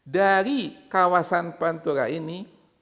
dari kawasan pantura ini